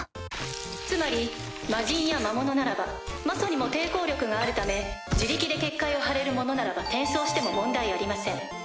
つまり魔人や魔物ならば魔素にも抵抗力があるため自力で結界を張れる者ならば転送しても問題ありません。